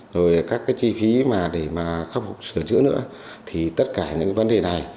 thì mà khắc phục sửa chữa nữa thì tất cả những vấn đề này